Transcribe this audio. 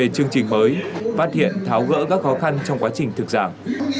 chương trình mới phát hiện tháo gỡ các khó khăn trong quá trình thực giảng